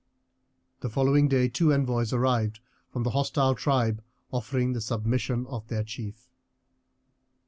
The following day two envoys arrived from the hostile tribe offering the submission of their chief.